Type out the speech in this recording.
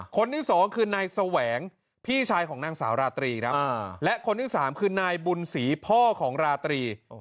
คนที่สองคือนายแสวงพี่ชายของนางสาวราตรีครับและคนที่สามคือนายบุญศรีพ่อของราตรี